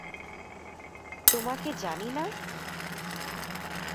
তােমাকে জানি না?